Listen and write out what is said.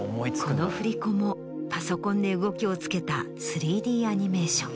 この振り子もパソコンで動きをつけた３Ｄアニメーション。